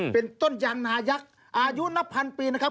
เป็นต้นยางนายักษ์อายุนับพันปีนะครับ